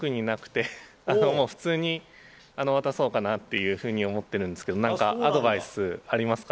普通に渡そうと思っているんですけど何かアドバイスありますか？